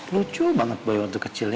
lucu banget boy waktu kecilnya